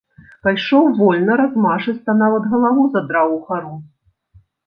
Пайшоў вольна, размашыста, нават галаву задраў угару.